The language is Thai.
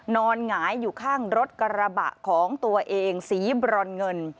หงายอยู่ข้างรถกระบะของตัวเองสีบรอนเงิน